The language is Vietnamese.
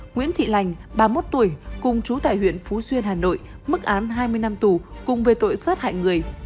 nguyễn thị lành ba mươi một tuổi cùng chú tại huyện phú xuyên hà nội mức án hai mươi năm tù cùng về tội sát hại người